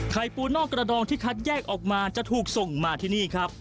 ปูนอกกระดองที่คัดแยกออกมาจะถูกส่งมาที่นี่ครับ